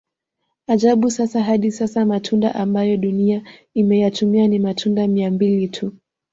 Ajabu sasa hadi sasa matunda ambayo dunia imeyatumia ni matunda mia mbili tu